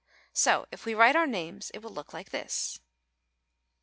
So if we write our whole names it will look like this A.